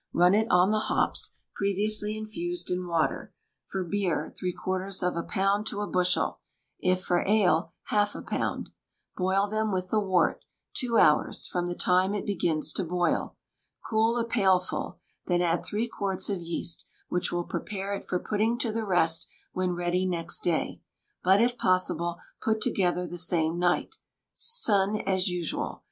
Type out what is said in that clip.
Run it on the hops, previously infused in water; for beer, three quarters of a pound to a bushel; if for ale, half a pound. Boil them with the wort, two hours, from the time it begins to boil. Cool a pailful; then add three quarts of yeast, which will prepare it for putting to the rest when ready next day; but, if possible, put together the same night. Sun, as usual.